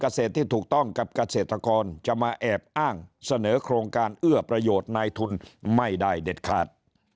ที่ถูกต้องกับเกษตรกรจะมาแอบอ้างเสนอโครงการเอื้อประโยชน์นายทุนไม่ได้เด็ดขาด